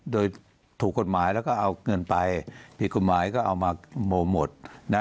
โดยถูกกฎหมายแล้วก็เอาเงินไปผิดกฎหมายก็เอามาโมหมดนะ